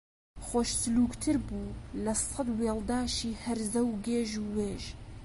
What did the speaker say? خۆش سلووکتر بوو لە سەد وێڵداشی هەرزە و گێژ و وێژ